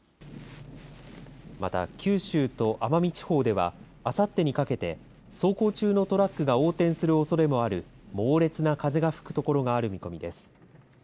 また、九州と奄美地方ではあさってにかけて走行中のトラックが横転するおそれもある猛烈な風が吹くところがある見込みです。